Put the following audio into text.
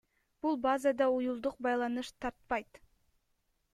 Бул базада уюлдук байланыш тартпайт.